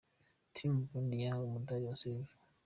Team Burundi bahawe Umudali wa Silver .